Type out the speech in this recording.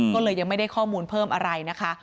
ก็เลยยังไม่ได้ข้อมูลเพิ่มอะไรนะคะ